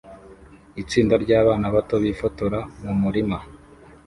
Itsinda ryabana bato bifotora mumurima